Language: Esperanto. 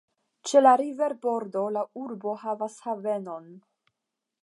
Ĉe la riverbordo la urbo havas havenon.